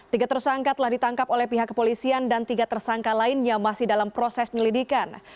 tiga tersangka telah ditangkap oleh pihak kepolisian dan tiga tersangka lainnya masih dalam proses penyelidikan